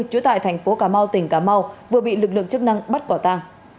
chú tại thành phố cà mau tỉnh cà mau vừa bị lực lượng chức năng bắt bỏ ta